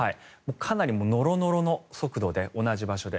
かなりノロノロの速度で同じ場所で。